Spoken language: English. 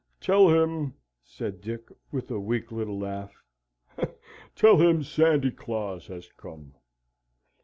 "Tell him," said Dick, with a weak little laugh, "tell him Sandy Claus has come."